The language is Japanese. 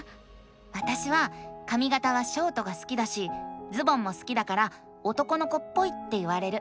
わたしはかみがたはショートが好きだしズボンも好きだから男の子っぽいって言われる。